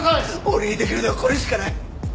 俺にできるのはこれしかない。